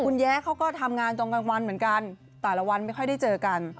คุณแย้เขาก็ทำงานตอนกลางวันเหมือนกันแต่ละวันไม่ค่อยได้เจอกัน